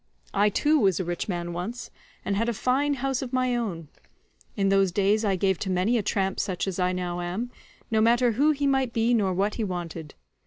I too was a rich man once, and had a fine house of my own; in those days I gave to many a tramp such as I now am, no matter who he might be nor what he wanted.